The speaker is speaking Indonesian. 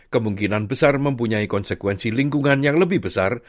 kemungkinan besar mempunyai konsekuensi lingkungan yang lebih besar